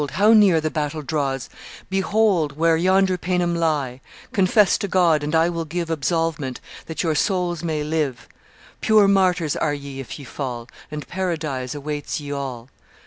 how near the battle draws; Behold! where yonder Paynim lie; Confess to God; and I will give Absolvement, that your souls may live. Pure martyrs are ye if ye fall; And Paradise awaits ye all.